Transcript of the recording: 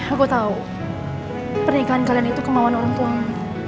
aku tahu pernikahan kalian itu kemauan untung